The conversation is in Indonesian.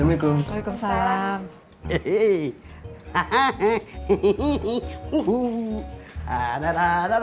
ini udah enak